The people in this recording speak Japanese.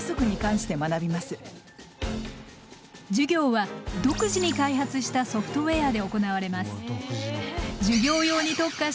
授業は独自に開発したソフトウェアで行われます。